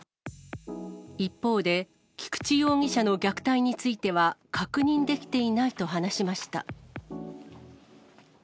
一方で、菊池容疑者の虐待については、確認できていないと話しました。